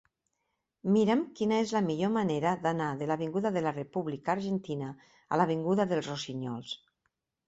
Mira'm quina és la millor manera d'anar de l'avinguda de la República Argentina a l'avinguda dels Rossinyols.